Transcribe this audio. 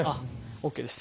ＯＫです。